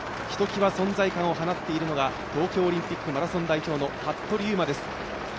ひときわ存在緩を放っているのが東京オリンピックマラソン代表の服部勇馬です。